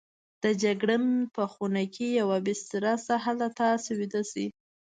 د جګړن په خونه کې یوه بستره شته، هلته تاسې ویده شئ.